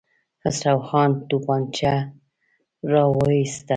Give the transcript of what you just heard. خسرو خان توپانچه را وايسته.